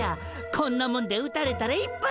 こんなもんでうたれたら１発やで。